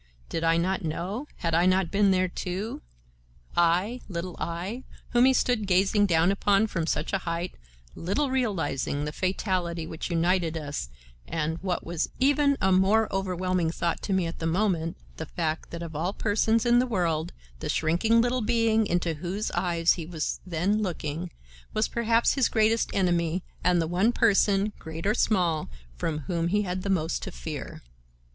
Did I not know? Had I not been there, too; I, little I, whom he stood gazing down upon from such a height, little realizing the fatality which united us and, what was even a more overwhelming thought to me at the moment, the fact that of all persons in the world the shrinking little being, into whose eyes he was then looking, was, perhaps, his greatest enemy and the one person, great or small, from whom he had the most to fear.